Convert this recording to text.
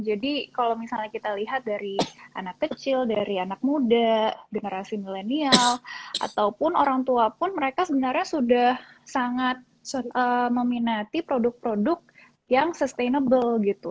jadi kalau misalnya kita lihat dari anak kecil dari anak muda generasi millennial ataupun orang tua pun mereka sebenarnya sudah sangat meminati produk produk yang sustainable gitu